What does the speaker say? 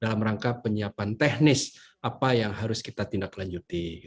dalam rangka penyiapan teknis apa yang harus kita tindak lanjuti